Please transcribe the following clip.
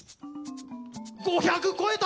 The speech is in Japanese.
５００超えた！